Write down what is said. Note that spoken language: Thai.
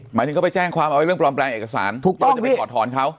หมายถึงเขาไปแจ้งความเอาไว้เรื่องปลอมแปลงเอกสารถูกต้องจะไปถอดถอนเขา